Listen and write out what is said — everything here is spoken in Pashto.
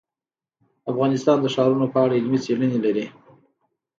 افغانستان د ښارونو په اړه علمي څېړنې لري.